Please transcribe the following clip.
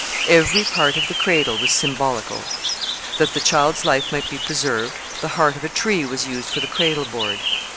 Every part of the cradle was symbolical. That the child's life might be preserved, the heart of a tree was used for the cradle board.